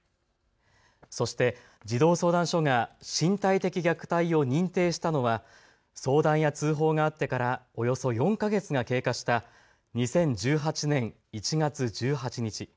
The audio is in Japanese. そして児童相談所が身体的虐待を認定したのは相談や通報があってからおよそ４か月が経過した２０１８年１月１８日。